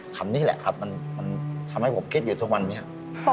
คำนี้แหละครับมันทำให้ผมคิดอยู่ทุกวันนี้